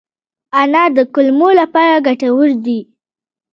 انار د کولمو لپاره ګټور دی.